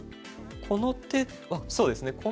この手そうですね。